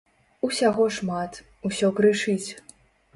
Усяго шмат, усё крычыць.